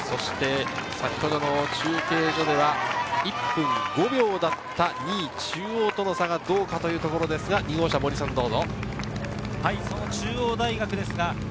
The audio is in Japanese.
そして先ほどの中継所では１分５秒だった２位・中央との差がどうかというところですが、どうぞ。